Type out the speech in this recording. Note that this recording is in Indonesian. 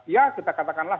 ya kita katakanlah